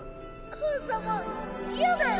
母様嫌だよ！